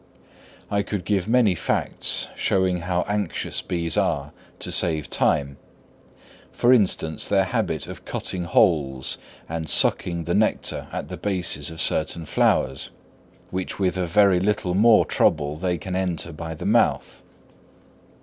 I could give many facts showing how anxious bees are to save time: for instance, their habit of cutting holes and sucking the nectar at the bases of certain flowers, which with a very little more trouble they can enter by the mouth.